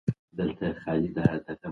پروژه دوامداره ده.